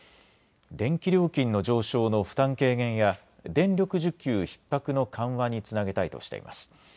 電気料金の上昇の負担軽減や電力需給ひっ迫の緩和につなげたいとしています。